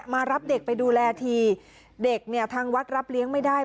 มารับเด็กไปดูแลทีเด็กเนี่ยทางวัดรับเลี้ยงไม่ได้